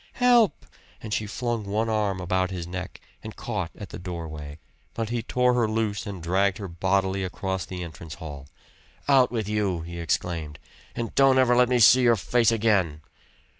"Help!" And she flung one arm about his neck and caught at the doorway. But he tore her loose and dragged her bodily across the entrance hall. "Out with you!" he exclaimed. "And don't ever let me see your face again!"